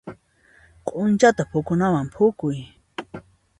Q'unchata phukunawan phukuy.